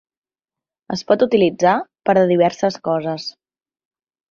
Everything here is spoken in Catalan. Es pot utilitzar per a diverses coses.